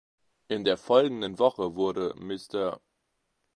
In der folgenden Woche wurde "Mr.